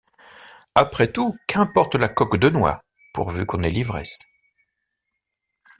Après tout, qu'importe la coque de noix, pourvu qu'on ait l'ivresse...